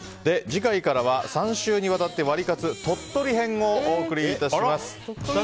次回からは３週にわたってワリカツ鳥取編をお送りいたします。